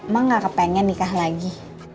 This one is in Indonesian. mama gak kepengen nikah lagi